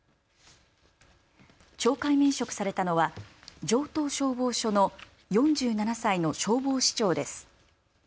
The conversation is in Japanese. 懲戒免職されたのは城東消防署の４７歳の消防士長です。